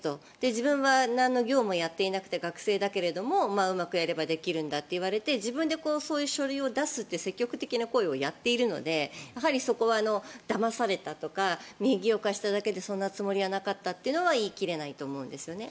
自分は何の業もやっていなくて学生だけど、うまくやればできるんだといわれて自分でそういう書類を出すという積極的な行為をやっているのでそこは、だまされたとか名義を貸しただけでそんなつもりはなかったというのは言い切れないと思うんですね。